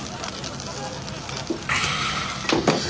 あ！